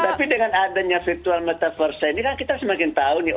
tapi dengan adanya virtual metaversa ini kan kita semakin tahu nih